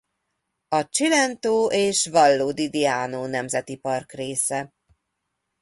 A Cilento és Vallo di Diano Nemzeti Park része.